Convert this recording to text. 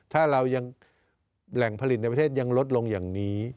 ถ้าเรายังแหล่งผลิตในประเทศยังลดลงอย่างนี้